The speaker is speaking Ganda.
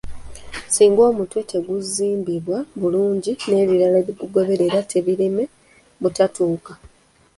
Singa omutwe teguzimbibwa bulungi n’ebirala ebigugoberera tebiireme butatuuka.